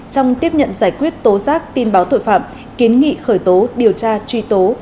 trong tiếp nhận giải quyết tố giác tin báo tội phạm kiến nghị khởi tố điều tra truy tố